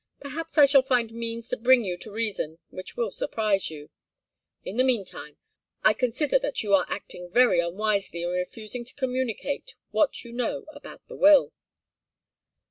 Perhaps I shall find means to bring you to reason which will surprise you. In the meantime, I consider that you are acting very unwisely in refusing to communicate what you know about the will."